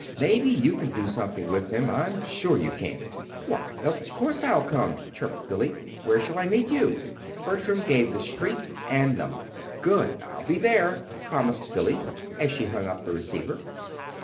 Maybe you can do something with them. I'm sure you can!" "Why, of course I'll come," chirped Billy. "Where shall I meet you?" Bertram gave the street and number. "Good! I'll be there," promised Billy, as she hung up the receiver.